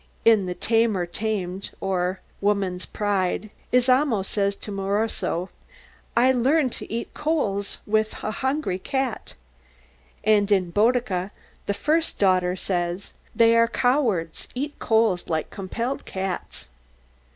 In "The Tamer Tamed, or, Woman's Pride," Izamo says to Moroso, "I'd learn to eat coals with a hungry cat"; and in "Boduca," the first daughter says, "They are cowards; eat coals like compelled cats."